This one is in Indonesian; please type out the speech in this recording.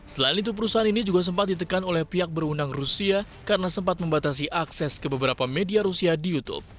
selain itu perusahaan ini juga sempat ditekan oleh pihak berundang rusia karena sempat membatasi akses ke beberapa media rusia di youtube